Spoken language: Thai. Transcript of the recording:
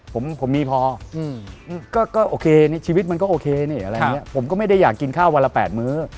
ผมมีพอก็โอเคชีวิตมันก็โอเคผมก็ไม่ได้อยากกินข้าววันละ๘มื้อ